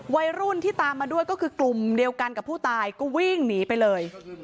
วัยรุ่นที่ตามมาด้วยก็คือกลุ่มเดียวกันกับผู้ตายก็วิ่งหนีไปเลย